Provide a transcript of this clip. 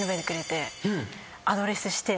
アドレスして。